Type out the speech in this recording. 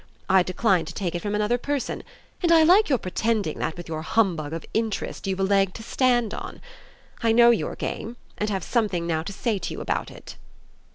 I decline to take it from another person, and I like your pretending that with your humbug of 'interest' you've a leg to stand on. I know your game and have something now to say to you about it."